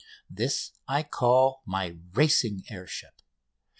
This I call my racing air ship.